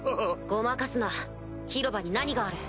ごまかすな広場に何がある？